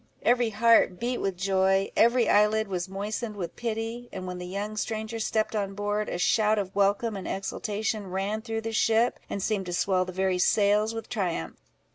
Every heart beat with joy, every eyelid was moistened with pity; and when the young stranger stepped on board, a shout of welcome and exultation ran through the ship, and seemed to swell the very sails with triumph.